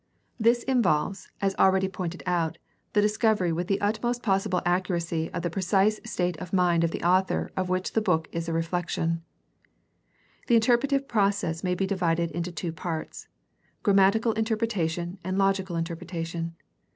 This involves, as already pointed out, the discovery with the utmost possible accuracy of the precise state of mind of the author of which the book is a reflection (cf. p. 177). The interpretative process may be divided into two parts, grammatical interpretation and logical interpretation.